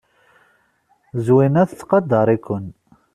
Zwina tettqadar-iken.